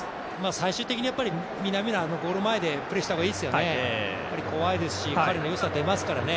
最終的に南野はゴール前でプレーした方がいいですよね。